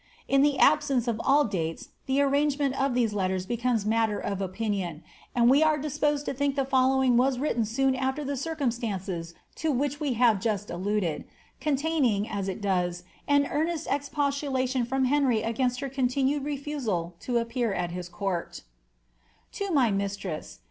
''* In the absence of all dates, the arrangement of these letters becomes matter of opinion, and we are disposed to think the following was written soon after the circumstances to which we have just alluded, containing, as it does, an earnest expostulation from Henry against her continued refusal to appear at his court •* To my Mistreflfl.